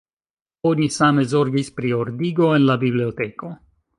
Oni same zorgis pri ordigo en la biblioteko.